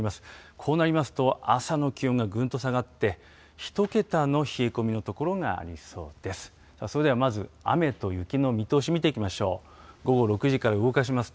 こうなりますと、朝の気温がぐんと下がって、１桁の冷え込みの所がありそうです。